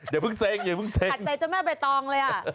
อย่าเพิ่งซิง